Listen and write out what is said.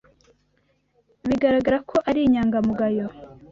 Bigaragara ko ari inyangamugayo.